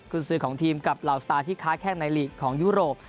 คุณซื้อของทีมกับเหล่าสตาร์ที่ค้าแข้งในลีกของยุโรป